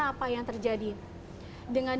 apa yang terjadi dengan